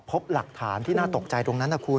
พบหลักฐานที่น่าตกใจตรงนั้นนะคุณ